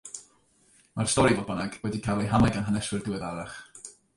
Mae'r stori, fodd bynnag, wedi cael ei hamau gan haneswyr diweddarach.